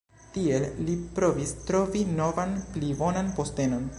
Tiel li provis trovi novan pli bonan postenon.